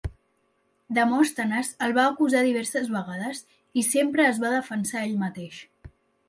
Demòstenes el va acusar diverses vegades i sempre es va defensar ell mateix.